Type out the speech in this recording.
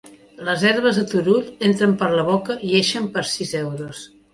Les herbes de Turull, entren per la boca i ixen per... sis euros.